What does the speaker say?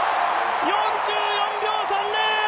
４４秒３０！